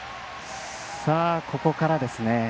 ここからですね。